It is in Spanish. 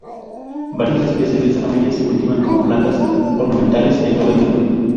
Varias especies de esta familia se cultivan como plantas ornamentales en todo el mundo.